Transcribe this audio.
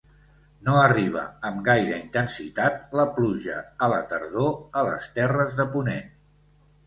No arriba amb gaire intensitat la pluja a la tardor a les terres de ponent.